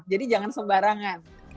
jadi jangan sembarangan